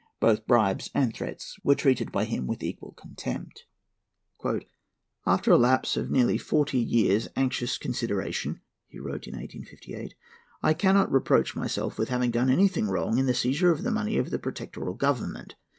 Both bribes and threats were treated by him with equal contempt. "After a lapse of nearly forty years' anxious consideration," he wrote in 1858, "I cannot reproach myself with having done any wrong in the seizure of the money of the Protectorial Government.